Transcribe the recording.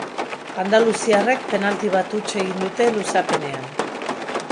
Andaluziarrek penalti bat huts egin dute luzapenean.